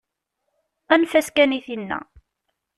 Anef-as kan i tinna.